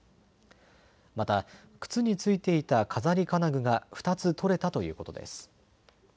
また、くつに付いていた飾り金具が２つ取れたということです。